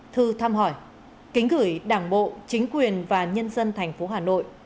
thư thăm hỏi kính gửi đảng bộ chính quyền và nhân dân thành phố hà nội